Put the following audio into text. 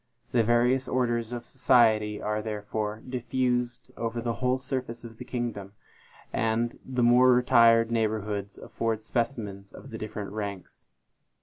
The various orders of society are therefore diffused over the whole surface of the kingdom, and the more retired neighborhoods afford specimens of the different ranks.